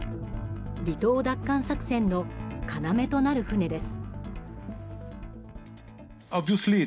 離島奪還作戦の要となる船です。